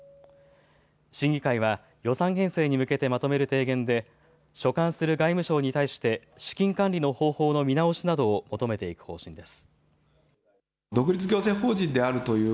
審議会は予算編成に向けてまとめる提言で所管する外務省に対して資金管理の方法の見直しなどを求めていく方針です。